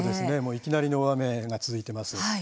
いきなり大雨が続いています。